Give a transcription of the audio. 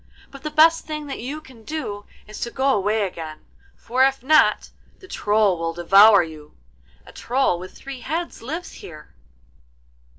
But the best thing that you can do is to go away again, for if not the Troll will devour you. A Troll with three heads lives here.